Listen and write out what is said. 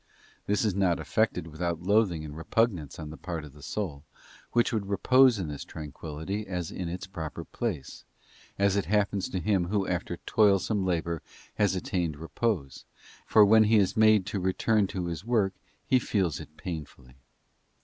This is not effected without loathing and repugnance on the part of the soul, which would repose in this tranquillity as in its proper place—as it happens to him who after toil some labour has attained repose; for when he is made to return to his work he feels it painfully.